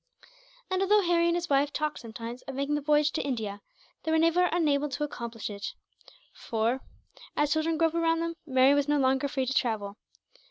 And although Harry and his wife talked, sometimes, of making the voyage to India, they were never enabled to accomplish it for, as children grew up around them, Mary was no longer free to travel.